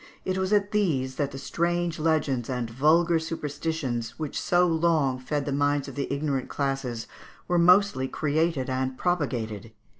It was at these that the strange legends and vulgar superstitions, which so long fed the minds of the ignorant classes, were mostly created and propagated.